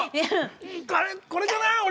これじゃない？